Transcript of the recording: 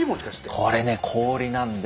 これね氷なんですよ。